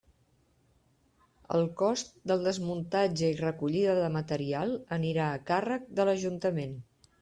El cost del desmuntatge i recollida de material anirà a càrrec de l'ajuntament.